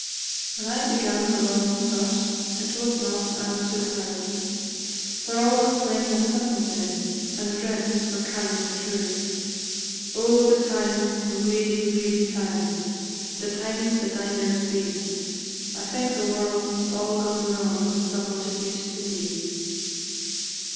When I began the world first, It was not as 'tis now; For all was plain and simple then, And friends were kind and true: Oh, the times, the weary, weary times! The times that I now see; I think the world 's all gone wrong, From what it used to be.